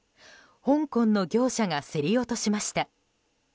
香港の業者が競り落としました。